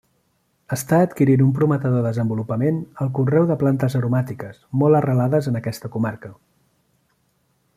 Està adquirint un prometedor desenvolupament el conreu de plantes aromàtiques, molt arrelades en aquesta comarca.